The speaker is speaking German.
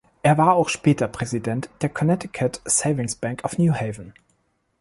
Er war auch später Präsident der "Connecticut Savings Bank of New Haven".